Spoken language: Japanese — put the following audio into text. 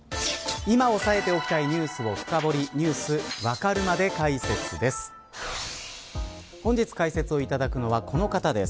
今押さえておきたいニュースを深掘りニュースわかるまで解説です。